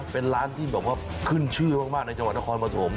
เป็นร้านที่แบบว่าขึ้นชื่อมากในจังหวัดนครปฐม